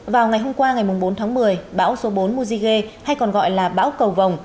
vào ngày hôm qua ngày bốn tháng một mươi bão số bốn mozige hay còn gọi là bão cầu vồng